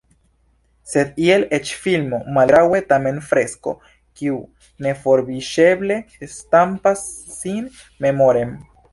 Sed iel eĉ filmo Mal-graŭe tamen fresko, kiu neforviŝeble stampas sin memoren.